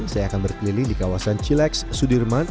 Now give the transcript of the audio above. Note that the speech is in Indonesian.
saya akan berkeliling di kawasan cilex sudirman